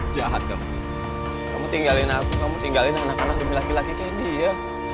jahat kamu kamu tinggalin aku kamu tinggalin anak anak demi laki laki kayak dia